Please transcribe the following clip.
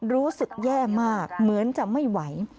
รู้สึกแย่มากเหมือนจะไม่ไหว